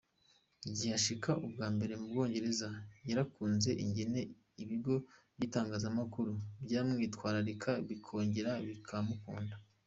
Igihe ashika ubwa mbere mu Bwongereza yarakunze ingene ibigo vy'itangazamakuru vyamwitwararika, bikongera bikamukunda.